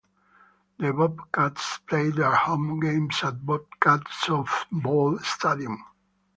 The Bobcats played their home games at Bobcat Softball Stadium.